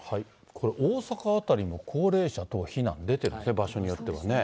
これ、大阪辺りも高齢者等避難出てますね、場所によってはね。